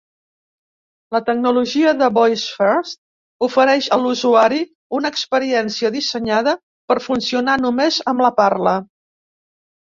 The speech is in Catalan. La tecnologia de Voice First ofereix a l'usuari una experiència dissenyada per funcionar només amb la parla.